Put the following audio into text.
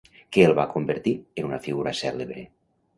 Què el va convertir en una figura cèlebre?